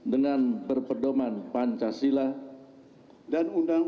dengan berpedoman pancasila